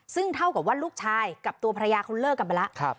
ซึ่งเท่ากับว่าลูกชายกับตัวภรรยาเขาเลิกกันไปแล้ว